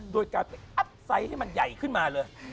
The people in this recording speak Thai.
โดยการไปอัพไซต์ให้มันใหญ่ขึ้นมาเลย